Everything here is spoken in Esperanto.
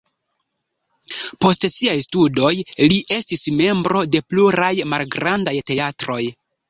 Post siaj studoj li estis membro de pluraj malgrandaj teatroj.